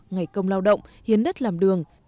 ngày công lao động hiến đất làm đường